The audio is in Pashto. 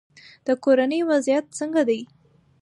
د کورنۍ وضعیت څنګه دی؟